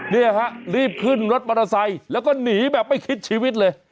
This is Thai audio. เนี่ยฮะรีบขึ้นรถมอเตอร์ไซค์แล้วก็หนีแบบไม่คิดชีวิตเลย